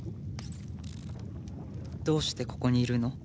どうしてここにいるの？